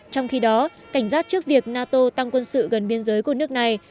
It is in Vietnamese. trong khi đó cảnh giác trước việc nato tăng quân sự gần biên giới của nước này